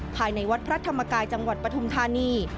ภายในวัดพระธรรมกายจังหวัดปฐุมธานี